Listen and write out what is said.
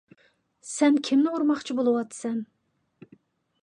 سەن كىمنى ئۇرماقچى بولۇۋاتىسەن؟